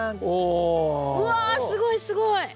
お！わすごいすごい！